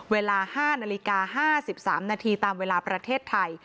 เวลา๕นาฬิกา๕๓นาทีตามเวลาประเทศไทย